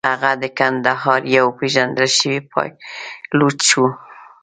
هغه د کندهار یو پېژندل شوی پایلوچ و.